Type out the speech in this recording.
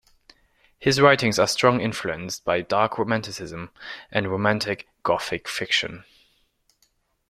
His writings are strong influenced by Dark Romanticism and Romantic gothic fiction.